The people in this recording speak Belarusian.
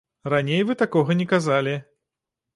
Раней вы такога не казалі.